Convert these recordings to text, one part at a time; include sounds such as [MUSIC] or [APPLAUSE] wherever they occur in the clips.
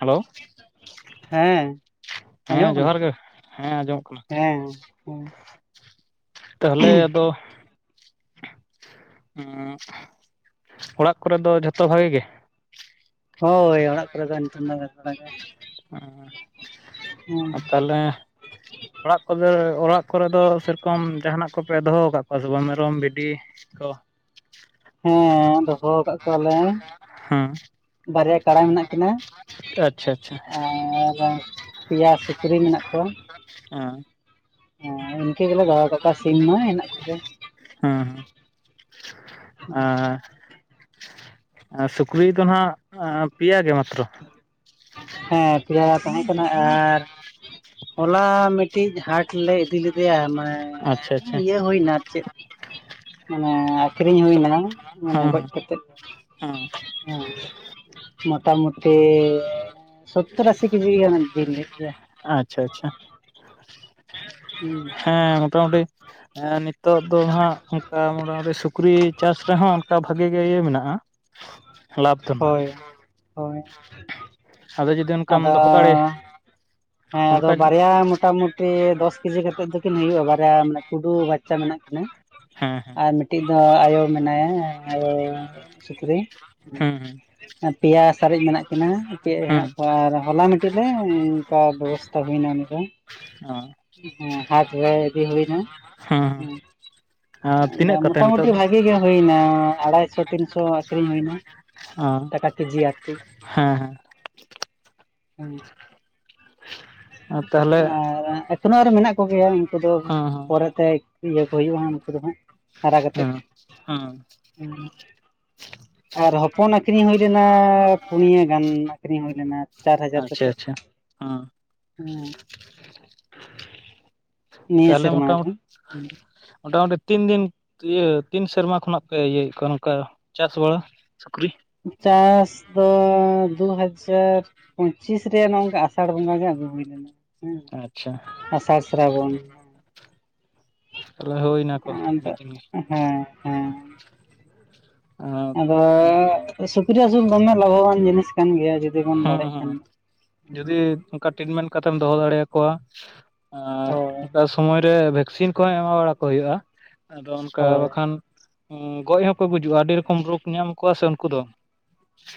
Hello [UNINTELLIGIBLE] ᱦᱮᱸ [UNINTELLIGIBLE] ᱦᱮᱸ ᱟᱸᱡᱚᱢᱚᱜ ᱠᱟᱱᱟ ᱡᱚᱦᱟᱨ ᱜᱮ ᱦᱮᱸ ᱟᱸᱡᱚᱢᱚᱜ ᱠᱟᱱᱟ᱾ ᱦᱮᱸ ᱦᱮᱸ [INAUDIBLE] ᱛᱟᱦᱚᱞᱮ ᱟᱫᱚ? [INAUDIBLE] ᱚᱲᱟᱜ ᱠᱚᱨᱮ ᱫᱚ ᱡᱷᱚᱛᱚ ᱵᱷᱟᱜᱮ ᱜᱮ? [UNINTELLIGIBLE] ᱦᱳᱭ ᱚᱲᱟᱜ [INAUDIBLE] ᱫᱚ ᱵᱮᱥ ᱵᱟᱲᱟ ᱜᱮ ᱦᱮᱸ ᱦ ᱟᱨ ᱛᱟᱦᱞᱮ, [UNINTELLIGIBLE] ᱚᱲᱟᱜ ᱠᱚᱫᱚ ᱚᱲᱟᱜ ᱠᱚᱨᱮ ᱫᱚ ᱥᱮᱨᱚᱠᱚᱢ ᱡᱟᱦᱟᱱᱟᱜ ᱠᱚᱯᱮ ᱫᱚᱦᱚ ᱟᱠᱟᱫ ᱠᱚᱣᱟ ᱥᱮ ᱵᱟᱝ ᱢᱮᱨᱚᱢ ᱵᱷᱤᱰᱤ [INAUDIBLE] ᱠᱚ ᱦᱮᱸ ᱫᱚᱦᱚ ᱟᱠᱟᱫ ᱠᱚᱣᱟ ᱞᱮ ᱦᱮᱸ ᱵᱟᱨᱭᱟ ᱠᱟᱲᱟ ᱦᱮᱱᱟᱜ ᱠᱤᱱᱟ ᱟᱪᱪᱷᱟ ᱟᱪᱪᱷᱟ ᱟᱨ ᱯᱮᱭᱟ ᱥᱩᱠᱨᱤ ᱢᱮᱱᱟᱜ ᱠᱚᱣᱟ [UNINTELLIGIBLE] ᱦᱮᱸ ᱤᱱᱠᱟᱹ ᱜᱮᱞᱮ ᱫᱚᱦᱚ ᱠᱟᱠᱚᱣᱟ ᱥᱤᱢ ᱢᱟ ᱦᱮ ᱠᱚᱜᱮ ᱦᱮᱸ ᱦᱮᱸ ᱟᱨ ᱥᱩᱠᱨᱤ ᱫᱚ ᱦᱟᱸᱜ ᱯᱮᱭᱟ ᱜᱮ ᱢᱟᱛᱨᱚ ᱦᱮᱸ ᱯᱮᱭᱟ ᱛᱟᱦᱮᱸ ᱠᱟᱱᱟ ᱟᱨ ᱦᱚᱞᱟ ᱢᱤᱫᱴᱤᱡ ᱦᱟᱴ ᱞᱮ ᱤᱫᱤ ᱞᱮᱫᱮᱭᱟ ᱢᱟᱱᱮ ᱟᱪᱪᱷᱟ ᱟᱪᱪᱷᱟ ᱦᱮᱸ ᱦᱮᱸ ᱤᱭᱟᱹ ᱦᱩᱭᱱᱟ ᱪᱮᱫ ᱢᱟᱱᱮ ᱟᱠᱷᱨᱤᱧ ᱦᱩᱭᱱᱟ ᱢᱟᱱᱮ ᱜᱚᱡ ᱠᱟᱛᱮ ᱦᱮᱸ ᱦᱮᱸ ᱢᱚᱴᱟ ᱢᱩᱴᱤ ᱥᱚᱛ ᱟᱥᱤ ᱠᱤᱡᱤ ᱜᱟᱱ ᱡᱤᱞ ᱞᱮᱫ ᱜᱮᱭᱟᱭ ᱟᱪᱪᱷᱟ ᱟᱪᱪᱷᱟ ᱦᱩᱸ ᱦᱮᱸ ᱢᱚᱴᱟ ᱢᱩᱴᱤ ᱦᱮᱸ ᱱᱤᱛᱚᱜ ᱫᱚ ᱦᱟᱸᱜ ᱚᱱᱠᱟ ᱢᱚᱴᱟ ᱢᱩᱴᱤ ᱥᱩᱠᱨᱤ ᱪᱟᱥ ᱨᱮᱦᱚᱸ ᱚᱱᱠᱟ ᱵᱷᱟᱜᱮ ᱜᱮ ᱤᱭᱟᱹ ᱢᱮᱱᱟᱜ-ᱟ ᱞᱟᱵᱽ ᱫᱚ ᱦᱟᱜ ᱦᱳᱭ ᱦᱳᱭ ᱟᱫᱚ ᱡᱩᱫᱤ ᱚᱱᱠᱟᱢ ᱟᱫᱚ ᱫᱚᱦᱚ ᱫᱟᱲᱮ ᱦᱮᱸ ᱟᱫᱚ ᱵᱟᱨᱭᱟ ᱢᱚᱴᱟ ᱢᱩᱴᱤ ᱴᱤ ᱫᱚᱥ ᱠᱮᱡᱤ ᱠᱟᱛᱮᱫ ᱫᱚ ᱠᱤᱱ ᱦᱩᱭᱩᱜ-ᱟ ᱵᱟᱨᱭᱟ ᱢᱟᱱᱮ ᱠᱩᱰᱩ ᱵᱟᱪᱪᱟ ᱢᱮᱱᱟᱜ ᱠᱤᱱᱟᱹ ᱦᱮᱸ ᱟᱨ ᱢᱤᱫᱴᱤᱡ ᱫᱚ ᱟᱭᱳ ᱢᱮᱱᱟᱭᱟ ᱟᱭᱳ ᱥᱩᱠᱨᱤ ᱦᱩᱸ ᱦᱩᱸ ᱯᱮᱭᱟ ᱥᱟᱨᱮᱡ ᱢᱮᱱᱟᱜ ᱠᱤᱱᱟᱹ ᱪᱮᱫ ᱦᱮᱸ ᱦᱮᱱᱟᱜ ᱠᱚᱣᱟ ᱟᱨ ᱦᱚᱞᱟ ᱢᱤᱫᱴᱤᱡ ᱨᱮ ᱚᱱᱠᱟ ᱵᱮᱵᱚᱥᱛᱟ ᱦᱩᱭᱱᱟ ᱩᱱ ᱫᱚ ᱦᱮᱸ ᱦᱮᱸ ᱦᱟᱴ ᱨᱮ ᱤᱫᱤ ᱦᱩᱭᱱᱟ ᱦᱮᱸ ᱦᱮᱸ ᱛᱤᱱᱟᱹᱜ ᱦᱩᱸ ᱠᱟᱛᱮ ᱢᱚᱴᱟ ᱢᱩᱴᱤ ᱱᱤᱛᱚᱜ ᱵᱷᱟᱜᱤ ᱜᱮ ᱦᱩᱭᱱᱟ ᱟᱲᱟᱭᱥᱚ ᱛᱤᱱᱥᱚ ᱟᱹᱠᱷᱨᱤᱧ ᱦᱩᱭᱱᱟ ᱦᱮᱸ ᱮᱠᱟᱠ ᱠᱮᱡᱤ ᱟᱨᱠᱤ ᱦᱮᱸ ᱦᱮᱸ ᱛᱟᱦᱚᱞᱮ ᱟᱨ ᱮᱛᱱᱳᱜ ᱨᱮ ᱢᱮᱱᱟᱜ ᱠᱚᱜᱮᱭᱟ ᱩᱱᱠᱩ ᱫᱚ ᱦᱮᱸ ᱦᱮᱸ ᱯᱚᱨᱮ ᱛᱮ ᱤᱭᱟᱹ ᱠᱚ ᱦᱩᱭᱩᱜ-ᱟ ᱦᱟᱸᱜ ᱱᱩᱠᱩ ᱫᱚ ᱦᱟᱸᱜ ᱦᱟᱨᱟ ᱠᱟᱛᱮᱫ ᱦᱮᱸ ᱦᱮᱸ ᱦᱮᱸ ᱟᱨ ᱦᱚᱯᱚᱱ ᱟᱠᱷᱨᱤᱧ ᱦᱩᱭ ᱞᱮᱱᱟ ᱯᱩᱱᱭᱟ ᱜᱟᱱ ᱟᱠᱷᱨᱤᱧ ᱦᱩᱭ ᱞᱮᱱᱟ ᱪᱟᱨ ᱦᱟᱡᱟᱨ ᱟᱪᱪᱷᱟ ᱠᱟᱛᱮᱫ ᱟᱪᱪᱷᱟ [UNINTELLIGIBLE] ᱦᱮᱸ ᱱᱤᱭᱟᱹ ᱛᱟᱦᱚᱞᱮ ᱢᱚᱴᱟ ᱥᱮᱨᱢᱟ ᱜᱮ ᱢᱚᱴ ᱢᱚᱴᱟ ᱢᱩᱴᱤ ᱛᱤᱱ ᱫᱤᱱ ᱤᱭᱟᱹ ᱛᱤᱱ ᱥᱮᱨᱢᱟ ᱠᱷᱚᱱᱟᱜ ᱯᱮ ᱤᱭᱟᱹᱭᱮᱫ ᱠᱚᱣᱟ ᱱᱚᱝᱠᱟ ᱪᱟᱥ ᱵᱟᱲᱟ ᱥᱩᱠᱨᱤ ᱪᱟᱥ ᱫᱚ ᱫᱩ ᱦᱟᱡᱟᱨ ᱯᱚᱸᱪᱤᱥ ᱨᱮᱭᱟᱜ ᱱᱚᱝᱠᱟ ᱟᱥᱟᱲ ᱵᱚᱸᱜᱟ ᱜᱮ ᱟᱹᱜᱩ ᱦᱩᱭ ᱞᱮᱱᱟ ᱦᱮᱸ ᱟᱥᱟᱲ ᱥᱨᱟᱵᱚᱱ ᱛᱮ ᱦᱩᱭ ᱱᱟᱠᱚ ᱟᱹᱰᱤ ᱟᱫᱚ ᱫᱤᱱ ᱱ ᱜᱮ ᱦᱮᱸ ᱦᱮᱸ [UNINTELLIGIBLE] ᱟᱫᱚ ᱥᱩᱠᱨᱤ ᱟᱹᱥᱩᱞ ᱫᱚᱢᱮ ᱞᱟᱵᱷᱚᱵᱟᱱ ᱡᱤᱱᱤᱥ ᱠᱟᱱ ᱜᱮᱭᱟ ᱡᱩᱫᱤ ᱵᱚᱱ ᱦᱩᱸ ᱫᱟᱲᱮᱜ ᱦᱩᱸ ᱠᱷᱟᱱ ᱡᱚᱫᱤ ᱠᱟᱴᱤᱴ ᱢᱮᱱ ᱠᱟᱛᱮᱢ ᱫᱚᱦᱚ ᱫᱟᱲᱮᱭᱟ ᱠᱚᱣᱟ ᱟᱨ ᱦᱳᱭ ᱚᱱᱠᱟ ᱥᱚᱢᱚᱭᱨᱮ ᱵᱷᱮᱠᱥᱤᱱ ᱠᱚᱦᱚᱸ ᱮᱢᱟ ᱵᱟᱲᱟ ᱠᱚ ᱦᱩᱭᱩᱜ-ᱟ ᱟᱫᱚ ᱚᱱᱠᱟ ᱦᱳᱭ ᱵᱟᱠᱷᱟᱱ ᱩᱸ ᱜᱚᱡ ᱦᱚᱸᱠᱚ ᱜᱩᱡᱩᱜ-ᱟ ᱟᱹᱰᱤ ᱨᱚᱠᱚᱢ ᱨᱳᱜᱽ ᱧᱟᱢ ᱠᱚᱣᱟ ᱥᱮ ᱩᱱᱠᱩ ᱫᱚ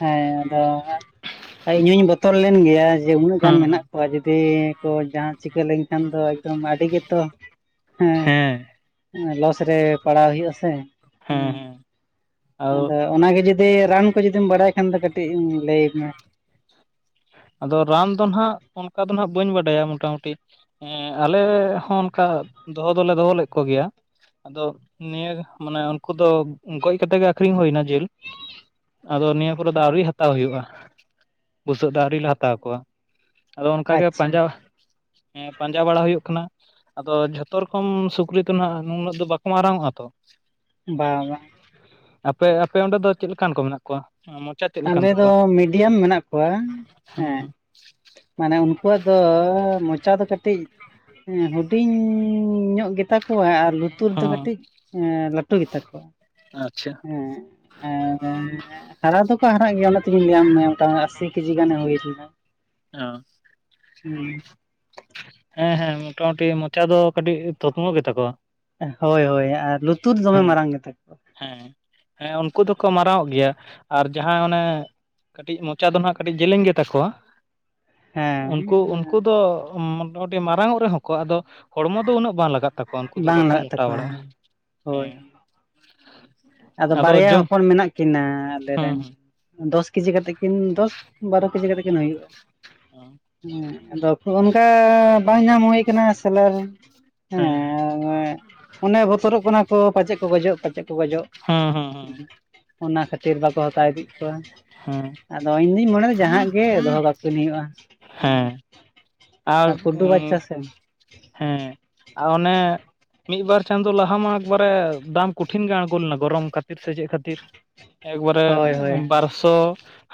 ᱦᱮᱸ ᱟᱫᱚ ᱤᱧ ᱦᱚᱧ ᱵᱚᱛᱚᱨ ᱞᱮᱱ ᱜᱮᱭᱟ ᱡᱮ ᱩᱱᱟᱹᱜ ᱜᱟᱱ ᱦᱩᱸ ᱦᱩᱸ ᱢᱮᱱᱟᱜ ᱠᱚᱣᱟ ᱡᱩᱫᱤ ᱛᱚ ᱡᱟᱦᱟ ᱪᱤᱠᱟᱹ ᱞᱮᱱᱠᱷᱟᱱ ᱫᱚ ᱮᱠᱫᱚᱢ ᱟᱹᱰᱤ ᱜᱮᱛᱚ ᱦᱮᱸ ᱞᱚᱥ ᱨᱮ ᱯᱟᱲᱟᱣ ᱦᱩᱭᱩᱜ-ᱟ ᱥᱮ ᱦᱮᱸ ᱟᱫᱚ ᱚᱱᱟᱜᱮ ᱡᱩᱫᱤ ᱨᱟᱱ ᱠᱚ ᱡᱩᱫᱤᱢ ᱵᱟᱰᱟᱭ ᱠᱷᱟᱱ ᱫᱚ ᱠᱟᱹᱴᱤᱡ ᱞᱟᱹᱭ ᱢᱮ᱾ ᱟᱫᱚ ᱨᱟᱱ ᱫᱚᱱ ᱦᱟᱜ ᱚᱱᱠᱟ ᱫᱚ ᱦᱟᱜ ᱵᱟᱹᱧ ᱵᱟᱰᱟᱭᱟ ᱢᱚᱴᱟ ᱢᱩᱴᱤ ᱦᱮᱸ ᱟᱞᱮ ᱦᱚᱸ ᱚᱱᱠᱟ ᱫᱚᱦᱚ ᱫᱚᱞᱮ ᱫᱚᱦᱚ ᱞᱮᱫ ᱠᱚ ᱜᱮᱭᱟ ᱟᱫᱚ ᱱᱤᱭᱟᱹ ᱢᱟᱱᱮ ᱩᱱᱠᱩ ᱫᱚ ᱜᱚᱡ ᱠᱟᱛᱮᱜ ᱜᱮ ᱟᱠᱷᱨᱤᱧ ᱦᱩᱭᱱᱟ ᱡᱤᱞ ᱟᱫᱚ ᱱᱤᱭᱟᱹ ᱠᱚᱨᱮ ᱫᱚ ᱟᱹᱣᱨᱤ ᱦᱟᱛᱟᱣ ᱦᱩᱭᱩᱜᱼᱟ᱾ ᱱᱤᱛᱚᱜ ᱫᱚ ᱟᱹᱣᱨᱤ ᱞᱮ ᱦᱟᱛᱟᱣ ᱠᱚᱣᱟ ᱟᱫᱚ ᱚᱱᱠᱟ ᱜᱮ ᱟᱪᱪᱷᱟ ᱯᱟᱸᱡᱟ ᱦᱮᱸ ᱯᱟᱸᱡᱟ ᱵᱟᱲᱟ ᱦᱩᱭᱩᱜ ᱠᱟᱱᱟ᱾ ᱟᱫᱚ ᱡᱷᱚᱛᱚ ᱨᱚᱠᱚᱢ ᱥᱩᱠᱨᱤ ᱫᱚ ᱱᱟᱜ ᱱᱩᱱᱟᱹᱜ ᱫᱚ ᱵᱟᱠᱚ ᱢᱟᱨᱟᱝ ᱚᱜᱼᱟ ᱛᱚ ᱵᱟ ᱵᱟ ᱟᱯᱮ ᱟᱯᱮ ᱚᱸᱰᱮ ᱫᱚ ᱪᱮᱫ ᱞᱮᱠᱟᱱ ᱠᱚ ᱢᱮᱱᱟᱜ ᱠᱚᱣᱟ ᱢᱚᱪᱟ ᱪᱮᱫ ᱞᱮᱠᱟᱱ ᱟᱞᱮ ᱫᱚ ᱛᱟᱠᱚᱣᱟ ᱢᱤᱰᱤᱭᱟᱢ ᱢᱮᱱᱟᱜ ᱠᱚᱣᱟ ᱦᱮᱸ ᱢᱟᱱᱮ ᱩᱱᱠᱩᱣᱟᱜ ᱫᱚ ᱢᱚᱪᱟ ᱫᱚ ᱠᱟᱹᱴᱤᱡ ᱦᱩᱰᱤᱧ ᱧᱚᱜ ᱜᱮᱛᱟ ᱠᱚᱣᱟ ᱟᱨ ᱞᱩᱛᱩᱨ ᱫᱚ ᱦᱚᱸ ᱠᱟᱹᱴᱤᱡ ᱞᱟᱹᱴᱩ ᱜᱮᱛᱟ ᱠᱚᱣᱟ ᱟᱪᱪᱷᱟ ᱦᱮᱸ ᱮ ᱦᱟᱨᱟ ᱫᱚᱠᱚ ᱦᱟᱨᱟᱜ ᱜᱮᱭᱟ ᱚᱱᱟ ᱛᱮᱜᱤᱧ ᱞᱟᱹᱭᱟᱢ ᱢᱮᱭᱟ ᱢᱚᱴᱟᱢ ᱟᱥᱤ ᱠᱮᱡᱤ ᱜᱟᱱᱮ ᱦᱩᱭ ᱞᱮᱱᱟ᱾ ᱚ ᱦᱩᱭ ᱦᱮᱸ ᱦᱮᱸ ᱢᱚᱴᱟᱢᱩᱴᱤ ᱢᱚᱪᱟ ᱫᱚ ᱠᱟᱹᱴᱤᱡ ᱛᱷᱩᱛᱢᱚ ᱜᱮᱛᱟ ᱠᱚᱣᱟ ᱦᱳᱭ ᱦᱳᱭ ᱟᱨ ᱞᱩᱛᱩᱨ ᱫᱚᱢᱮ ᱦᱮᱸ ᱢᱟᱨᱟᱝ ᱜᱮᱛᱟ ᱠᱚᱣᱟ ᱦᱮᱸ ᱦᱮᱸ ᱩᱱᱠᱩ ᱫᱚᱠᱚ ᱢᱟᱨᱟᱝᱚᱜ ᱜᱮᱭᱟ ᱟᱨ ᱡᱟᱦᱟᱸ ᱚᱱᱮ ᱠᱟᱹᱴᱤᱡ ᱢᱚᱪᱟ ᱫᱚ ᱦᱟᱸᱜ ᱠᱟᱹᱴᱤᱡ ᱡᱮᱞᱮᱧ ᱜᱮᱛᱟ ᱠᱚᱣᱟ ᱦᱮᱸ ᱩᱱᱠᱩ ᱩᱱᱠᱩ ᱫᱚ ᱢᱟᱨᱟᱝ ᱚᱜ ᱨᱮᱦᱚᱸ ᱠᱚ ᱟᱫᱚ ᱦᱚᱲᱢᱚ ᱫᱚ ᱩᱱᱟᱹᱜ ᱵᱟᱝ ᱞᱟᱜᱟᱜ ᱛᱟᱠᱚᱣᱟ ᱩᱱᱠᱩ ᱫᱚ ᱵᱟᱝ ᱵᱟᱠᱚ ᱞᱟᱜᱟᱜ ᱢᱚᱴᱟ ᱛᱟᱠᱚᱣᱟ ᱵᱟᱲᱟᱜᱼᱟ ᱦᱮᱸ ᱦᱳᱭ ᱦᱮᱸ ᱟᱫᱚ ᱵᱟᱨᱭᱟ ᱦᱚᱯᱚᱱ ᱢᱮᱱᱟᱜ ᱠᱤᱱᱟ ᱟᱞᱮᱨᱮ ᱦᱮᱸ ᱨᱮᱱ ᱫᱚᱥ ᱠᱮᱡᱤ ᱠᱟᱛᱮᱜ ᱠᱤᱱ ᱫᱚᱥ ᱵᱟᱨᱚ ᱠᱟᱛᱮ ᱠᱤᱱ ᱦᱩᱭᱩᱜᱼᱟ ᱦᱮᱸ [UNINTELLIGIBLE] ᱮ ᱵᱟᱝ ᱧᱟᱢ ᱦᱩᱭ ᱟᱠᱟᱱᱟ ᱥᱮᱞᱟᱨ ᱦᱮᱸ ᱦᱮ ᱚᱱᱮ ᱵᱚᱛᱚᱨᱚᱜ ᱠᱟᱱᱟ ᱠᱚ ᱯᱟᱪᱮᱫ ᱠᱚ ᱜᱚᱡᱚᱜ ᱯᱟᱪᱮᱫ ᱠᱚ ᱜᱚᱡᱚᱜ ᱦᱮᱸ ᱦᱮᱸ ᱦᱮᱸ ᱚᱱᱟ ᱠᱷᱟᱹᱛᱤᱨ ᱵᱟᱠᱚ ᱦᱟᱛᱟᱣ ᱤᱫᱤᱜ ᱠᱚᱣᱟ ᱦᱮᱸ ᱟᱫᱚ ᱤᱧ ᱫᱩᱧ ᱢᱚᱱᱮᱫᱟ ᱡᱟᱦᱟᱸ ᱜᱮ ᱫᱚᱦᱚ ᱠᱟᱠᱤᱱ ᱦᱩᱭᱩᱜᱼᱟ ᱦᱮᱸ ᱟᱨ ᱠᱩᱰᱩ ᱩᱸ ᱵᱟᱪᱪᱟ ᱥᱮ ᱦᱮᱸ ᱟᱨ ᱚᱱᱮ ᱢᱤᱫ ᱵᱟᱨ ᱪᱟᱸᱫᱚ ᱞᱟᱦᱟ ᱢᱟ ᱮᱠᱵᱟᱨᱮ ᱫᱟᱢ ᱠᱚᱴᱷᱤᱱ ᱜᱮ ᱟᱲᱜᱚ ᱞᱮᱱᱟ ᱜᱚᱨᱚᱢ ᱠᱷᱟᱹᱛᱤᱨ ᱥᱮ ᱪᱮᱫ ᱠᱷᱟᱹᱛᱤᱨ ᱮᱠᱵᱟᱨᱮ ᱦᱳᱭ ᱦᱳᱭ ᱵᱟᱨᱥᱚ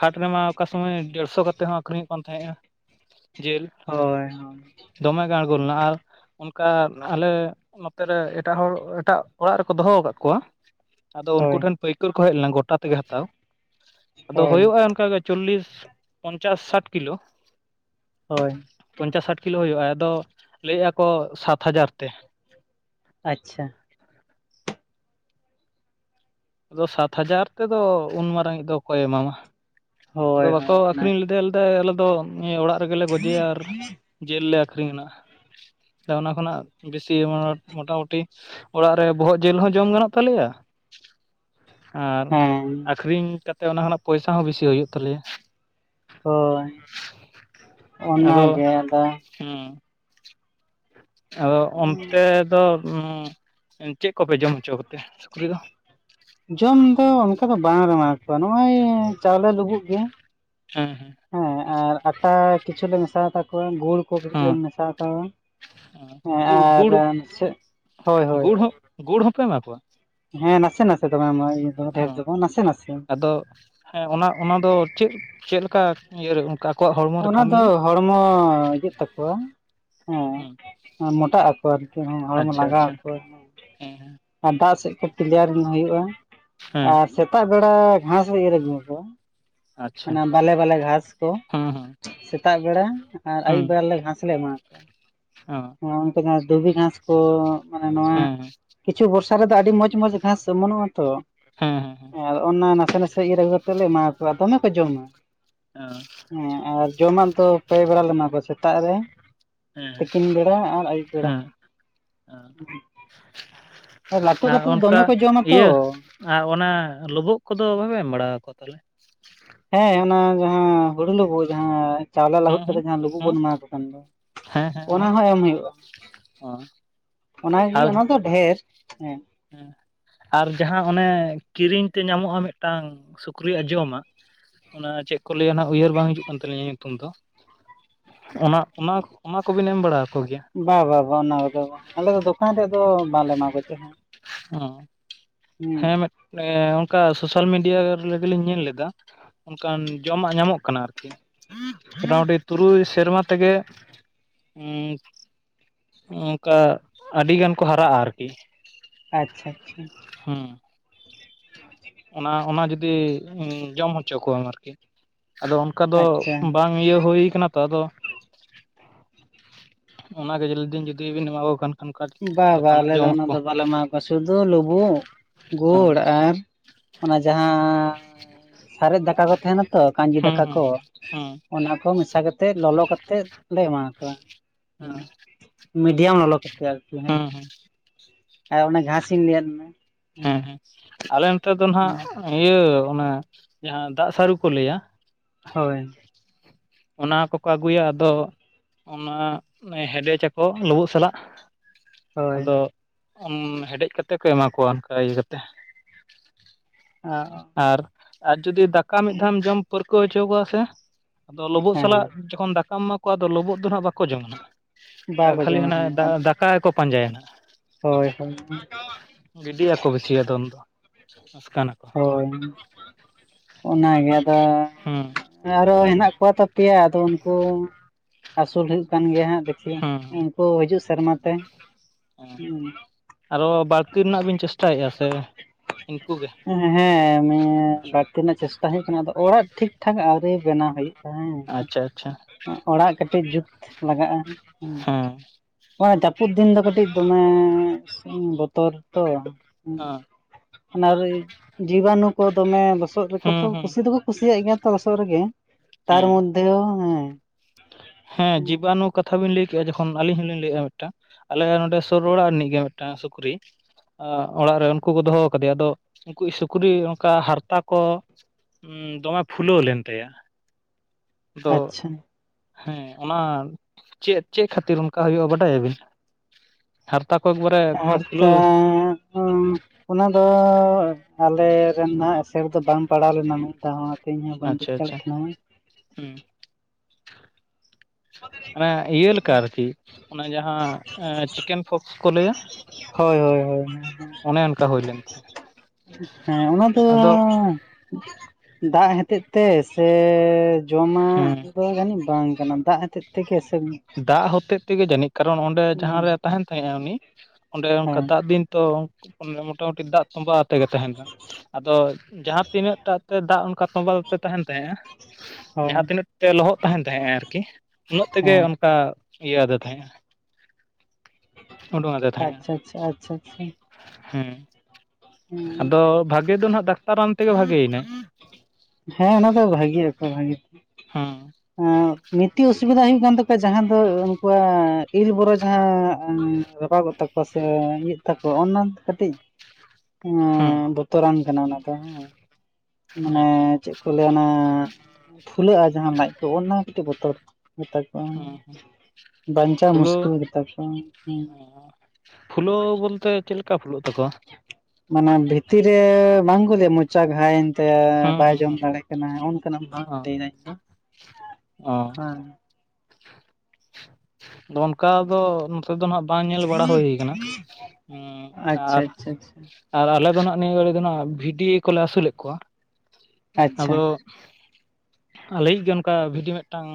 ᱦᱟᱴ ᱨᱮᱢᱟ ᱚᱠᱟ ᱥᱚᱢᱚᱭ ᱰᱮᱲᱥᱚ ᱠᱟᱛᱮᱫ ᱦᱚᱸ ᱟᱹᱠᱷᱨᱤᱧᱚᱜ ᱠᱟᱱ ᱛᱟᱦᱮᱸᱜᱼᱟ ᱡᱤᱞ ᱦᱳᱭ ᱫᱚᱢᱮ ᱜᱮ ᱟᱲᱜᱳ ᱞᱮᱱᱟ ᱟᱨ ᱚᱱᱠᱟ ᱟᱞᱮ ᱱᱚᱛᱮ ᱨᱮ ᱮᱴᱟᱜ ᱦᱚᱲ ᱮᱴᱟᱜ ᱚᱲᱟᱜ ᱨᱮᱠᱚ ᱫᱚᱦᱚ ᱟᱠᱟᱫ ᱠᱚᱣᱟ ᱟᱫᱚ ᱩᱱᱠᱩ ᱦᱳᱭ ᱴᱷᱮᱱ ᱯᱟᱹᱭᱠᱟᱹᱨ ᱠᱚ ᱦᱮᱡ ᱞᱮᱱᱟ ᱜᱚᱴᱟ ᱛᱮᱜᱮ ᱦᱟᱛᱟᱣ ᱟᱫᱚ ᱦᱳᱭ ᱦᱩᱭᱩᱜᱼᱟ ᱚᱱᱠᱟ ᱜᱮ ᱪᱚᱞᱞᱤᱥ ᱯᱚᱧᱪᱟᱥ ᱥᱟᱴ ᱠᱤᱞᱳ ᱦᱳᱭ ᱯᱚᱧᱪᱟᱥ ᱥᱟᱴ ᱠᱤᱞᱳ ᱦᱩᱭᱩᱜᱼᱟ ᱟᱫᱚ ᱞᱟᱹᱭᱮᱫᱼᱟ ᱠᱚ ᱥᱟᱛ ᱦᱟᱡᱟᱨ ᱛᱮ ᱟᱪᱪᱷᱟ ᱟᱫᱚ ᱥᱟᱛ ᱦᱟᱡᱟᱨ ᱛᱮᱫᱚ ᱩᱱ ᱢᱟᱨᱟᱝᱤᱡ ᱫᱚ ᱚᱠᱚᱭ-ᱮ ᱮᱢᱟᱢᱟ᱾ ᱟᱫᱚ ᱦᱳᱭ ᱦᱳᱭ ᱵᱟᱠᱚ ᱟᱹᱠᱷᱨᱤᱧ ᱚᱱᱟᱜᱮ ᱞᱮᱫᱮᱭᱟ ᱞᱮᱫᱮᱭᱟ ᱟᱞᱮ ᱫᱚ ᱤᱭᱟᱹ ᱚᱲᱟᱜ ᱨᱮᱜᱮ ᱞᱮ ᱜᱚᱡᱮᱭᱟ ᱟᱨ ᱡᱤᱞ ᱞᱮ ᱟᱠᱷᱨᱤᱧᱱᱟ ᱚᱱᱟ ᱠᱷᱚᱱᱟᱜ ᱵᱮᱥᱤ ᱢᱚᱴᱟᱢᱩᱴᱤ ᱚᱲᱟᱜ ᱨᱮ ᱵᱚᱦᱚᱜ ᱡᱤᱞ ᱦᱚᱸ ᱡᱚᱢ ᱜᱟᱱᱚᱜ ᱛᱟᱞᱮᱭᱟ ᱟᱨ ᱦᱮᱸ ᱟᱹᱠᱷᱨᱤᱧ ᱠᱟᱛᱮᱫ ᱚᱱᱟ ᱠᱷᱱᱟᱜ ᱯᱚᱭᱥᱟ ᱦᱚᱸ ᱵᱮᱥᱤ ᱦᱩᱭᱩᱜ ᱛᱟᱞᱮᱭᱟ᱾ ᱦᱳᱭ ᱟᱫᱚ ᱚᱱᱟᱜᱮ ᱟᱫᱚ ᱦᱮᱸ ᱟᱫᱚ ᱚᱱᱛᱮ ᱫᱚ ᱪᱮᱫ ᱠᱚᱯᱮ ᱡᱚᱢ ᱦᱚᱪᱚ ᱠᱚᱛᱮ ᱥᱩᱠᱨᱤ ᱫᱚ ᱡᱚᱢ ᱫᱚ ᱚᱱᱠᱟ ᱫᱚ ᱵᱟᱝ ᱨᱚᱢᱟᱣ ᱠᱚᱣᱟ ᱱᱚᱜᱼᱚᱭ ᱪᱟᱣᱞᱮ ᱞᱩᱵᱩᱜ ᱜᱮ ᱦᱮᱸ ᱦᱮᱸ ᱦᱮᱸ ᱟᱨ ᱟᱴᱟ ᱠᱤᱪᱷᱩ ᱞᱮ ᱢᱮᱥᱟᱭ ᱛᱟᱠᱚᱣᱟ ᱜᱩᱲ ᱠᱚ ᱠᱟᱹᱴᱤᱡ ᱞᱮ ᱦᱮᱸ ᱢᱮᱥᱟᱭ ᱛᱟᱠᱚᱣᱟ ᱦᱮᱸ ᱜᱩᱲ ᱟᱨ ᱜᱩᱲ ᱪᱮᱫ ᱦᱳᱭ ᱦᱳᱭ ᱜᱩᱲ ᱦᱚᱸ ᱜᱩᱲ ᱦᱚᱸᱯᱮ ᱮᱢᱟ ᱠᱚᱣᱟ ᱦᱮᱸ ᱱᱟᱥᱮ ᱱᱟᱥᱮ ᱫᱚ ᱵᱟᱝ ᱱᱚᱜᱼᱚᱭ ᱰᱷᱮᱨ ᱦᱮᱸ ᱫᱚ ᱟᱫᱚ ᱦᱮᱸ ᱚᱱᱟ ᱚᱱᱟ ᱫᱚ ᱪᱮᱫ ᱪᱮᱫ ᱞᱮᱠᱟ ᱤᱭᱮ ᱚᱱᱠᱟ ᱟᱠᱚᱣᱟᱜ ᱦᱚᱲᱢᱚ ᱨᱮ ᱚᱱᱟ ᱫᱚ ᱠᱟᱹᱢᱤᱭᱟ? ᱦᱚᱲᱢᱚ ᱤᱭᱟᱹᱜ ᱛᱟᱠᱚᱣᱟ ᱦᱩᱸ ᱦᱮᱸ ᱢᱚᱴᱟᱜ ᱟᱠᱚ ᱟᱨᱠᱤ ᱦᱚᱲᱢᱚ ᱟᱪᱪᱷᱟ ᱞᱟᱸᱜᱟ ᱟᱪᱪᱷᱟ ᱟᱠᱩᱣᱟ ᱦᱮᱸ ᱦᱮᱸ ᱟᱨ ᱫᱟᱜ ᱥᱮᱫ ᱠᱚ ᱠᱤᱞᱤᱭᱟᱹᱨ ᱦᱩᱭᱩᱜᱼᱟ ᱦᱮᱸ ᱟᱨ ᱥᱮᱛᱟᱜ ᱵᱮᱲᱟ ᱜᱷᱟᱸᱥ ᱞᱮ ᱤᱨ ᱟᱹᱜᱩ ᱟᱠᱚᱣᱟ ᱚᱱᱟ ᱵᱟᱞᱮ ᱵᱟᱞᱮ ᱜᱷᱟᱸᱥ ᱠᱚ ᱦᱮᱸ ᱦᱮᱸ ᱥᱮᱛᱟᱜ ᱵᱮᱲᱟ ᱟᱨ ᱟᱹᱭᱩᱵ ᱵᱮᱲᱟ ᱜᱷᱟᱸᱥ ᱞᱮ ᱮᱢᱟ ᱟᱠᱚᱣᱟ ᱦᱚᱸ ᱚᱱᱠᱟ ᱫᱷᱩᱵᱤ ᱜᱷᱟᱥ ᱠᱚ ᱢᱟᱱᱮ ᱱᱚᱣᱟ ᱦᱮᱸ ᱦᱮᱸ ᱠᱤᱪᱷᱩ ᱵᱚᱨᱥᱟ ᱨᱮᱫᱚ ᱟᱹᱰᱤ ᱢᱚᱸᱡᱽ ᱢᱚᱸᱡᱽ ᱜᱷᱟᱸᱥ ᱚᱢᱚᱱᱚᱜᱼᱟ ᱛᱚ ᱦᱮᱸ ᱦᱮᱸ ᱚᱱᱟ ᱱᱟᱥᱮ ᱱᱟᱥᱮ ᱟᱹᱜᱩ ᱠᱟᱛᱮ ᱞᱮ ᱮᱢᱟ ᱟᱠᱚᱣᱟ ᱫᱚᱢᱮ ᱠᱚ ᱡᱚᱢᱟ᱾ ᱚ ᱦᱮᱸ ᱟᱨ ᱡᱚᱢᱟᱜ ᱫᱚ ᱯᱮ ᱵᱮᱲᱟ ᱞᱮ ᱮᱢᱟ ᱠᱚᱣᱟ ᱥᱮᱛᱟᱜ ᱨᱮ ᱦᱮᱸ ᱛᱤᱠᱤᱱ ᱵᱮᱲᱟ ᱟᱨ ᱟᱹᱭᱩᱵ ᱵᱮᱲᱟ ᱦᱮᱸ ᱞᱟᱹᱴᱩ ᱟᱨ ᱠᱟᱛᱮ ᱫᱚ ᱚᱱᱠᱟ ᱫᱚᱢᱮ ᱠᱚ ᱡᱚᱢᱟ ᱛᱚ ᱤᱭᱟᱹ ᱟᱨ ᱚᱱᱟ ᱞᱳᱵᱳᱜ ᱠᱚᱫᱚ ᱵᱟᱯᱮ ᱮᱢ ᱵᱟᱲᱟ ᱟᱠᱚᱣᱟ ᱛᱟᱦᱚᱞᱮ ᱦᱮᱸ ᱚᱱᱟ ᱡᱟᱦᱟᱸ ᱦᱩᱲᱩ ᱞᱳᱵᱳᱜ ᱡᱟᱦᱟᱸ ᱪᱟᱣᱞᱮ ᱦᱩᱸ ᱞᱟᱹᱦᱩᱫ ᱦᱩᱸ ᱠᱟᱛᱮᱜ ᱡᱟᱦᱟᱸ ᱞᱩᱵᱩᱜ ᱦᱩᱸ ᱵᱚᱱ ᱮᱢᱟ ᱠᱚ ᱠᱟᱱ ᱫᱚ ᱦᱮᱸ ᱦᱮᱸ ᱚᱱᱟ ᱦᱚᱸ ᱮᱢ ᱦᱩᱭᱩᱜᱼᱟ᱾ ᱚ ᱚᱱᱟᱜᱮ ᱚᱱᱟ ᱫᱚ ᱰᱷᱮᱨ ᱦᱮᱸ ᱦᱮᱸ ᱟᱨ ᱡᱟᱦᱟᱸ ᱚᱱᱮ ᱠᱤᱨᱤᱧ ᱛᱮ ᱧᱟᱢᱚᱜᱼᱟ ᱢᱤᱫᱴᱟᱝ ᱥᱩᱠᱨᱤᱭᱟᱜ ᱡᱚᱢᱟᱜ ᱚᱱᱟ ᱪᱮᱫ ᱠᱚ ᱞᱟᱹᱭᱟ ᱦᱟᱜ ᱩᱭᱦᱟᱹᱨ ᱵᱟᱝ ᱦᱤᱡᱩᱜ ᱠᱟᱱ ᱛᱟᱞᱤᱧᱟ ᱧᱩᱛᱩᱢ ᱫᱚ ᱚᱱᱟ ᱚᱱᱟ ᱚᱱᱟ ᱠᱚᱵᱤᱱ ᱮᱢ ᱵᱟᱲᱟ ᱟᱠᱚ ᱜᱮᱭᱟ ᱵᱟ ᱵᱟ ᱵᱟᱝ ᱚᱱᱟ ᱠᱚᱫᱚ ᱟᱞᱮ ᱫᱚᱠᱟᱱ ᱨᱮᱫᱚ ᱵᱟᱞᱮ ᱮᱢᱟ ᱠᱚ ᱪᱮᱜ ᱦᱚᱸ ᱦᱚᱸ ᱦᱩᱸ ᱦᱮᱸ ᱚᱱᱠᱟ ᱥᱳᱥᱟᱞ ᱢᱤᱰᱤᱭᱟ ᱨᱮᱜᱮ ᱞᱤᱧ ᱧᱮᱞ ᱞᱮᱫᱟ᱾ ᱚᱱᱠᱟᱱ ᱡᱚᱢᱟᱜ ᱧᱟᱢᱚᱜ ᱠᱟᱱᱟ ᱟᱨ ᱠᱤ ᱢᱳᱴᱟᱢᱩᱴᱤ ᱛᱩᱨᱩᱭ ᱥᱮᱨᱢᱟ ᱛᱮᱜᱮ ᱚᱱᱠᱟ ᱟᱹᱰᱤ ᱜᱟᱱ ᱠᱚ ᱦᱟᱨᱟᱜᱼᱟ ᱟᱨ ᱠᱤ ᱟᱪᱪᱷᱟ ᱟᱪᱪᱷᱟ ᱦᱮᱸ [INAUDIBLE] [INAUDIBLE] ᱚᱱᱟ ᱚᱱᱟ ᱡᱩᱫᱤ ᱡᱚᱢ ᱦᱚᱪᱚ ᱠᱚᱣᱟᱢ ᱟᱨ ᱠᱤ ᱟᱫᱚ ᱚᱱᱠᱟ ᱫᱚ ᱟᱪᱪᱷᱟ ᱵᱟᱝ ᱤᱭᱟᱹ ᱦᱩᱭ ᱠᱟᱱᱟ ᱛᱚ ᱟᱫᱚ ᱚᱱᱟᱜᱮ ᱡᱤᱱ ᱞᱟᱹᱭ ᱫᱤᱱ ᱡᱩᱫᱤ ᱵᱤᱱ ᱮᱢᱟᱠᱚ ᱠᱷᱟᱱ ᱚᱱᱠᱟ ᱵᱟ ᱵᱟᱝ ᱫᱚᱠᱟᱱᱟᱜ ᱟᱞᱮ ᱫᱚ ᱡᱚᱢᱟᱜ ᱚᱱᱟ ᱠᱚ ᱫᱚ ᱵᱟᱞᱮ ᱮᱢᱟ ᱠᱚᱣᱟ ᱥᱩᱫᱩ ᱞᱩᱵᱩᱜ ᱦᱮᱸ ᱜᱩᱲ ᱟᱨ ᱚᱱᱟ ᱡᱟᱦᱟᱸ ᱥᱟᱨᱮᱡ ᱫᱟᱠᱟ ᱠᱚ ᱛᱟᱦᱮᱱᱟ ᱛᱚ ᱠᱟᱧᱡᱤ ᱦᱮᱸ ᱫᱟᱠᱟ ᱦᱮᱸ ᱠᱚ ᱦᱮᱸ ᱦᱮᱸ ᱚᱱᱟ ᱠᱚ ᱢᱮᱥᱟ ᱠᱟᱛᱮᱫ ᱞᱚᱞᱚ ᱠᱟᱛᱮᱫ ᱞᱮ ᱮᱢᱟ ᱠᱚᱣᱟ ᱦᱮᱸ ᱢᱤᱰᱤᱭᱟᱢ ᱞᱚᱞᱚ ᱠᱟᱛᱮᱜ ᱟᱨ ᱠᱤ ᱦᱮᱸ ᱟᱨ ᱚᱱᱮ ᱡᱟᱦᱟᱸ ᱠᱚᱧ ᱞᱟᱹᱭᱟᱫ ᱢᱮ ᱦᱮᱸ ᱦᱮᱸ ᱟᱞᱮ ᱱᱚᱛᱮ ᱫᱚ ᱱᱟᱜ ᱤᱭᱟᱹ ᱚᱱᱮ ᱡᱟᱦᱟᱸ ᱫᱟᱜ ᱥᱟᱹᱨᱩ ᱠᱚ ᱞᱟᱹᱭᱟ ᱦᱳᱭ ᱚᱱᱟ ᱠᱚᱠᱚ ᱟᱹᱜᱩᱭᱟ ᱟᱫᱚ ᱚᱱᱟ ᱦᱮᱰᱮᱡ ᱟᱠᱚ ᱞᱩᱵᱩᱜ ᱥᱟᱞᱟᱜ ᱟᱫᱚ ᱦᱳᱭ ᱦᱮᱰᱮᱡ ᱠᱟᱛᱮ ᱠᱚ ᱮᱢᱟ ᱠᱚᱣᱟ ᱚᱱᱠᱟ ᱤᱭᱟᱹ ᱠᱟᱛᱮ ᱚ ᱟᱨ ᱟᱨ ᱡᱩᱫᱤ ᱫᱟᱠᱟ ᱢᱤᱫ ᱫᱷᱟᱣᱮᱢ ᱡᱚᱢ ᱯᱟᱹᱨᱠᱟᱹᱣ ᱦᱚᱪᱚ ᱠᱚᱣᱟ ᱥᱮ ᱟᱫᱚ ᱞᱩᱵᱩᱜ ᱥᱟᱞᱟᱜ ᱦᱮᱸ ᱡᱚᱠᱷᱚᱱ ᱫᱟᱠᱟᱢ ᱮᱢᱟ ᱠᱚᱣᱟ ᱟᱫᱚ ᱞᱩᱵᱩᱜ ᱫᱚ ᱱᱟᱸᱜ ᱵᱟᱠᱚ ᱡᱚᱢᱟ ᱟᱨ ᱵᱟᱠᱚ ᱠᱷᱟᱹᱞᱤ ᱡᱚᱢᱟ ᱦᱟᱱᱟ ᱦᱮᱸ ᱫᱟᱠᱟ ᱜᱮᱠᱚ ᱯᱟᱸᱡᱟᱭᱟ ᱱᱟᱜ ᱦᱳᱭ ᱦᱳᱭ ᱜᱤᱰᱤ ᱭᱟᱠᱚ ᱵᱮᱥᱤ ᱟᱫᱚ ᱩᱱ ᱫᱚ ᱚᱱᱠᱟᱱᱟᱠᱚ ᱦᱳᱭ ᱚᱱᱟᱜᱮ ᱟᱫᱚ ᱦᱩᱸ ᱟᱨᱚ ᱦᱮᱱᱟᱜ ᱠᱚᱭᱟ ᱛᱚ ᱯᱮᱭᱟ ᱟᱫᱚ ᱩᱱᱠᱩ ᱟᱹᱥᱩᱞ ᱦᱩᱭᱩᱜ ᱠᱟᱱ ᱜᱮᱭᱟ ᱦᱟᱸᱜ ᱦᱩᱸ ᱩᱱᱠᱩ ᱦᱤᱡᱩᱜ ᱥᱮᱨᱢᱟ ᱛᱮ ᱦᱩᱸ ᱟᱨᱚ ᱵᱟᱹᱲᱛᱤ ᱨᱮᱱᱟᱜ ᱵᱤᱱ ᱪᱮᱥᱴᱟᱭᱮᱫᱼᱟ ᱥᱮ ᱤᱱᱠᱩ ᱜᱮ ᱦᱮᱸ ᱵᱟᱲᱛᱤ ᱨᱮᱱᱟᱜ ᱪᱮᱥᱴᱟ ᱦᱩᱭᱩᱜ ᱠᱟᱱᱟ ᱟᱫᱚ ᱚᱲᱟᱜ ᱴᱷᱤᱠ ᱴᱷᱟᱠ ᱟᱹᱣᱨᱤ ᱵᱮᱱᱟᱣ ᱦᱩᱭᱩᱜᱼᱟ ᱦᱮᱸ᱾ ᱟᱪᱪᱷᱟ ᱟᱪᱪᱷᱟ ᱚᱲᱟᱜ ᱠᱟᱹᱴᱤᱡ ᱡᱩᱛ ᱞᱟᱜᱟᱜᱼᱟ ᱦᱮᱸ ᱱᱳᱭᱟ ᱡᱟᱹᱯᱩᱫ ᱫᱤᱱ ᱫᱚ ᱠᱟᱹᱴᱤᱡ ᱫᱚᱢᱮ ᱵᱚᱛᱚᱨ ᱛᱚ ᱦᱚᱸ ᱚᱱᱟᱨᱮ ᱡᱤᱵᱟᱱᱩ ᱠᱚ ᱫᱚᱢᱮ ᱞᱚᱥᱚᱫ ᱨᱮᱠᱚ ᱦᱩᱸ ᱛᱚ ᱦᱩᱸ ᱠᱩᱥᱤ ᱫᱚᱠᱚ ᱠᱩᱥᱤᱭᱟᱜ ᱜᱮᱭᱟ ᱛᱚ ᱞᱚᱥᱚᱜ ᱨᱮᱜᱮ ᱛᱟᱨ ᱦᱮᱸ ᱢᱚᱫᱷᱮᱳ ᱦᱮᱸ ᱦᱮᱸ ᱡᱤᱵᱟᱱᱩ ᱠᱟᱛᱷᱟ ᱠᱟᱛᱷᱟ ᱵᱮᱤᱱ ᱞᱟᱹᱭ ᱠᱮᱫᱼᱟ ᱡᱚᱠᱷᱚᱱ ᱟᱹᱞᱤᱧ ᱦᱚᱸᱞᱤᱧ ᱞᱟᱹᱭᱮᱫᱼᱟ ᱢᱤᱫᱴᱟᱝ ᱟᱞᱮ ᱱᱚᱸᱰᱮ ᱥᱩᱨ ᱚᱲᱟᱜ ᱨᱤᱱᱤᱡ ᱜᱮ ᱢᱤᱫᱴᱟᱝ ᱥᱩᱠᱨᱤ ᱚᱲᱟᱜ ᱨᱮ ᱩᱱᱠᱩ ᱠᱚ ᱫᱚᱦᱚ ᱠᱟᱫᱮᱭᱟ ᱟᱫᱚ ᱩᱱᱠᱩ ᱤᱡ ᱥᱩᱠᱨᱤ ᱚᱱᱠᱟ ᱦᱟᱨᱛᱟ ᱠᱚ ᱦᱸ ᱫᱚᱢᱮ ᱯᱷᱩᱞᱟᱹᱣ ᱞᱮᱱ ᱛᱟᱭᱟ᱾ ᱟᱫᱚ ᱟᱪᱪᱷᱟ ᱦᱮᱸ ᱚᱱᱟ ᱪᱮᱫ ᱪᱮᱫ ᱠᱷᱟᱹᱛᱤᱨ ᱚᱱᱠᱟ ᱦᱩᱭᱩᱜᱼᱟ ᱵᱟᱰᱟᱭᱟᱵᱤᱱ? ᱦᱟᱨᱛᱟᱠᱚ ᱮᱠᱵᱟᱨᱮ ᱮᱠᱫᱚᱢ ᱟᱨ ᱛᱟ ᱯᱷᱩᱞᱟᱹᱣ ᱚᱱᱟ ᱫᱚ ᱟᱞᱮ ᱨᱮᱱᱟᱜ ᱥᱮᱨ ᱫᱚ ᱵᱟᱝ ᱯᱟᱲᱟᱣ ᱞᱮᱱᱟ ᱢᱤᱫ ᱫᱷᱟᱣ ᱤᱧ ᱦᱚᱸ ᱵᱟᱹᱧ ᱟᱪᱪᱷᱟ [UNINTELLIGIBLE] ᱟᱪᱪᱷᱟ ᱛᱟᱦᱮᱱᱟ ᱦᱩᱸ ᱦᱟᱱᱮ ᱤᱭᱟᱹ ᱞᱮᱠᱟ ᱟᱨᱠᱤ ᱚᱱᱟ ᱡᱟᱦᱟᱸ ᱪᱤᱠᱮᱱ ᱯᱷᱚᱠᱥ ᱠᱚ ᱞᱟᱹᱭᱟ ᱦᱳᱭ ᱦᱳᱭ ᱦᱳᱭ ᱚᱱᱮ ᱚᱱᱠᱟ ᱦᱩᱭ ᱞᱮᱱᱟ ᱦᱮᱸ ᱚᱱᱟ ᱫᱚ ᱫᱟᱜ ᱦᱚᱛᱮᱫ ᱛᱮ ᱥᱮ ᱡᱚᱢᱟᱜ ᱦᱮᱸ ᱫᱚ ᱡᱟᱹᱱᱤᱡ ᱵᱟᱝ ᱠᱟᱱᱟ ᱫᱟᱜ ᱦᱚᱛᱮᱫ ᱛᱮᱜᱮ ᱥᱮ ᱫᱟᱜ ᱦᱚᱛᱮᱡ ᱛᱮᱜᱮ ᱡᱟᱹᱱᱤᱡ ᱠᱟᱨᱚᱱ ᱚᱸᱰᱮ ᱡᱟᱦᱟᱸᱨᱮ ᱛᱟᱦᱮᱱ ᱛᱟᱸᱦᱮᱜ ᱟᱭ ᱩᱱᱤ ᱚᱸᱰᱮ ᱚᱱᱠᱟ ᱦᱮᱸ ᱫᱟᱜ ᱫᱤᱱ ᱛᱚ ᱢᱳᱴᱟ ᱢᱩᱴᱤ ᱫᱟᱜ ᱛᱚᱸᱢᱵᱟ ᱟᱛᱮ ᱜᱮ ᱛᱟᱦᱮᱸᱱᱟ᱾ ᱟᱫᱚ ᱡᱟᱦᱟᱸ ᱛᱤᱱᱟᱹᱜ ᱴᱟᱜ ᱛᱮ ᱫᱟᱜ ᱚᱱᱠᱟ ᱛᱚᱸᱵᱟ ᱛᱮ ᱛᱟᱦᱮᱱ ᱛᱟᱦᱮᱸᱜᱼᱟ ᱡᱟᱦᱟᱸ ᱦᱳᱭ ᱛᱤᱱᱟᱹᱜ ᱛᱮ ᱞᱚᱦᱚᱫ ᱛᱟᱦᱮᱱ ᱛᱟᱦᱮᱸᱜᱼᱟ ᱟᱨᱠᱤ ᱩᱱᱟᱹᱜ ᱛᱮᱜᱮ ᱦᱮᱸ ᱚᱱᱠᱟ ᱤᱭᱟᱹ ᱟᱫᱮ ᱛᱟᱦᱮ-ᱟ᱾ ᱳᱰᱳᱝ ᱟᱫᱮ ᱛᱟᱦᱮᱸᱜᱼᱟ ᱟᱪᱪᱷᱟ ᱟᱪᱪᱷᱟ ᱟᱪᱪᱷᱟ ᱟᱪᱪᱷᱟ ᱦᱮᱸ᱾ ᱦᱮᱸ ᱟᱫᱚ ᱵᱷᱟᱜᱮ ᱫᱚ ᱦᱟᱸᱜ ᱰᱟᱠᱛᱟᱨ ᱨᱟᱱ ᱛᱮᱜᱮ ᱵᱷᱟᱜᱮ ᱭᱮᱱᱟᱭ᱾ ᱦᱮᱸ ᱚᱱᱟ ᱫᱚ ᱵᱷᱟᱜᱤ ᱟᱠᱠᱚ ᱵᱷᱟᱜᱤ, ᱦᱮᱸ ᱮᱸᱜ ᱢᱤᱜᱴᱤᱡ ᱚᱥᱩᱵᱤᱫᱷᱟ ᱦᱩᱭᱩᱜ ᱠᱟᱱ ᱛᱟᱠᱚᱣᱟ, ᱡᱟᱦᱟᱸ ᱫᱚ ᱩᱱᱠᱩᱣᱟᱜ ᱤᱱ ᱵᱚᱨᱚ ᱡᱟᱦᱟᱸ ᱨᱟᱯᱟᱜᱚᱜ ᱛᱟᱠᱚᱣᱟ᱾ ᱯᱟᱥᱮ ᱤᱭᱟᱹ ᱛᱟᱠᱚ ᱚᱱᱟ ᱠᱟᱹᱴᱤᱡ ᱦᱮᱸ ᱵᱚᱛᱚᱨᱟᱱ ᱠᱟᱱᱟ ᱚᱱᱟ ᱫᱚ, ᱦᱮᱸ ᱢᱟᱱᱮ ᱟᱪᱪᱷᱟ ᱪᱮᱫ ᱠᱚ ᱞᱟᱹᱭ-ᱟ ᱚᱱᱟ ᱯᱷᱩᱞᱟᱹᱜᱼᱟ ᱡᱟᱦᱟᱸ ᱞᱟᱡ ᱠᱚ ᱚᱱᱟ ᱠᱟᱹᱴᱤᱡ ᱵᱚᱛᱚᱨ ᱜᱮᱛᱟ ᱠᱚᱣᱟ᱾ ᱦᱮᱸ ᱦᱮᱸ ᱵᱟᱧᱪᱟᱣ ᱯᱷᱩᱞᱟᱹ ᱢᱩᱥᱠᱤᱞ ᱜᱮ ᱛᱟᱠᱚᱣᱟ᱾ ᱯᱷᱩᱞᱟᱹᱣ ᱵᱚᱞᱛᱮ ᱪᱮᱫ ᱞᱮᱠᱟ ᱯᱷᱩᱞᱟᱹᱜ ᱛᱟᱠᱚᱣᱟ? ᱢᱟᱱᱮ ᱵᱷᱤᱛᱤᱨ ᱨᱮ ᱵᱟᱝ ᱠᱚ ᱞᱟᱸᱭᱼᱟ, ᱢᱚᱪᱟ ᱜᱷᱟᱭᱮᱱ ᱛᱟᱭᱟ ᱦᱮᱸ ᱵᱟᱭ ᱦᱮᱸ ᱡᱚᱢ ᱦᱮᱸ ᱫᱟᱲᱮ ᱠᱟᱱᱟ ᱚᱱᱠᱟᱱᱟᱜ ᱞᱟᱹᱭ ᱮᱫᱟᱹᱧ᱾ ᱚ‌ᱸᱻ᱾ ᱦᱮᱸ ᱫᱚᱱ ᱚᱱᱠᱟ ᱫᱚ ᱱᱚᱛᱮ ᱫᱚ ᱱᱟᱜ ᱵᱟᱝ ᱧᱮᱞ ᱵᱟᱲᱟ ᱦᱩᱭ ᱠᱟᱱᱟ᱾ ᱟᱪᱪᱷᱟ ᱟᱨ ᱟᱪᱪᱷᱟ ᱟᱨ ᱟᱞᱮ ᱫᱚ ᱱᱟᱜ ᱱᱤᱭᱟᱹ ᱜᱷᱟᱹᱲᱤ ᱫᱚ ᱦᱟᱸᱜ ᱵᱷᱤᱰᱤ ᱠᱚᱞᱮ ᱟᱹᱥᱩᱞᱮᱫ ᱠᱚᱣᱟ᱾ ᱟᱫᱚ ᱟᱪᱪᱷᱟ ᱟᱞᱮᱭᱤᱡ ᱜᱮ ᱚᱱᱠᱟ ᱵᱷᱤᱰᱤ ᱢᱤᱫᱴᱟᱝ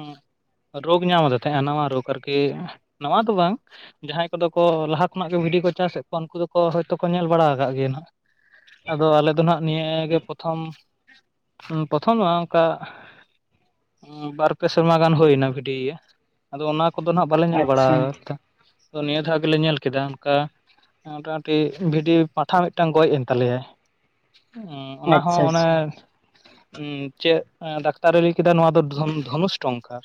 ᱨᱳᱜᱽ ᱧᱟᱢ ᱟᱫᱮ ᱛᱟᱦᱮᱸ, ᱱᱟᱣᱟ ᱨᱳᱜᱽ ᱟᱨᱠᱤ ᱱᱟᱣᱟ ᱫᱚ ᱵᱟᱝ ᱡᱟᱦᱟᱸᱭ ᱠᱚᱫᱚ ᱠᱚ ᱞᱟᱦᱟ ᱠᱷᱚᱱᱟᱜ ᱠᱚ ᱵᱷᱤᱰᱤ ᱠᱚ ᱪᱟᱥ ᱮᱜ ᱠᱚᱣᱟ ᱩᱱᱠᱩ ᱫᱚ ᱦᱳᱭᱛᱚ ᱠᱚ ᱧᱮᱞ ᱵᱟᱲᱟ ᱟᱠᱟᱜ ᱜᱮᱭᱟ᱾ ᱱᱟᱜ ᱟᱫᱚ ᱟᱞᱮ ᱫᱚ ᱱᱟᱜ ᱱᱤᱭᱟᱹ ᱜᱮ ᱯᱚᱛᱷᱚᱢ ᱯᱚᱛᱷᱚᱢ ᱫᱚ ᱵᱟᱝ ᱚᱝᱠᱟ? ᱵᱟᱨ ᱯᱮ ᱥᱮᱨᱢᱟ ᱜᱟᱱ ᱦᱳᱭᱱᱟ ᱵᱷᱤᱰᱤᱭᱟᱹ ᱟᱫᱚ ᱚᱱᱟ ᱠᱚᱫᱚ ᱱᱟᱜ ᱵᱟᱞᱮ ᱧᱮᱞ ᱵᱟᱲᱟ ᱟᱪᱪᱷᱟ ᱟᱠᱟᱫ᱾ ᱛᱚ ᱱᱤᱭᱟᱹ ᱫᱷᱟᱣ ᱜᱮᱞᱮ ᱧᱮᱞ ᱠᱮᱫᱟ ᱚᱱᱠᱟ᱾ ᱢᱚᱴᱟᱢᱩᱴᱤ ᱵᱷᱤᱰᱤ ᱯᱟᱴᱷᱟ ᱢᱤᱫᱴᱟᱝ ᱜᱚᱡ ᱮᱱ ᱛᱟᱞᱮᱭᱟᱭ᱾ ᱚᱱᱟ ᱦᱚᱸ ᱟᱪᱪᱷᱟ ᱚᱱᱮ ᱟᱪᱪᱷᱟ ᱪᱮᱫ ᱫᱟᱠ ᱛᱟᱨᱮ ᱞᱮᱭ ᱠᱮᱫᱟ ᱱᱚᱣᱟ ᱫᱚ ᱫᱷᱚᱱᱩᱥᱴᱚᱝᱠᱟᱨ᱾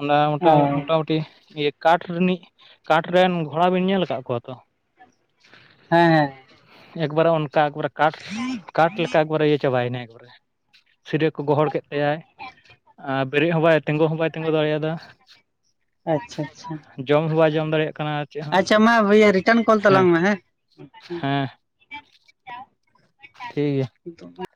ᱚᱱᱟ ᱢᱚᱴᱟ ᱚ ᱦᱮᱸ ᱢᱚᱴᱟᱢᱩᱴᱤ ᱤᱭᱟᱹ ᱠᱟᱴ ᱨᱤᱱᱤᱡ, ᱠᱟᱴ ᱨᱮᱱ ᱜᱷᱳᱲᱟ ᱵᱤᱱ ᱧᱮᱞ ᱠᱟᱫ ᱠᱚᱣᱟ ᱛᱚ? ᱦᱮᱸᱻ ᱦᱮᱸᱻ᱾ ᱮᱠᱵᱟᱨᱮ ᱚᱱᱠᱟ ᱮᱠᱵᱟᱨᱮ ᱠᱟᱴ [UNINTELLIGIBLE] ᱠᱟᱴ ᱞᱮᱠᱟ ᱮᱠᱵᱟᱨᱮ ᱤᱭᱟᱹ ᱪᱟᱵᱟᱭ ᱱᱟᱭ, ᱮᱠᱵᱟᱨᱮ ᱥᱤᱨᱟᱹ ᱠᱚ ᱜᱚᱦᱚᱲ ᱠᱮᱫ ᱛᱟᱭᱟᱭ ᱟᱨ ᱵᱮᱨᱮᱜ ᱦᱚᱸ ᱵᱟᱭ ᱛᱮᱸᱜᱳ ᱦᱚᱸ ᱵᱟᱭ ᱛᱮᱸᱜᱳ ᱫᱟᱲᱮᱭᱟᱫᱟ᱾ ᱟᱪᱪᱷᱟᱻ ᱟᱪᱪᱷᱟᱻ᱾ ᱡᱚᱢ ᱦᱚᱸ ᱵᱟᱭ ᱡᱚᱢ ᱫᱟᱲᱮᱭᱟᱜ ᱠᱟᱱᱟ, ᱟᱨ ᱪᱮᱫ ᱦᱮᱸᱻ ᱤᱭᱟᱹ ᱨᱤᱴᱟᱨᱱ ᱠᱚᱞ ᱦᱮᱸᱻ ᱛᱟᱞᱟᱝ ᱢᱮ ᱦᱮᱸ ᱦᱮᱸᱻ᱾ ᱴᱷᱤᱠ ᱜᱮᱭᱟ᱾ [INAUDIBLE]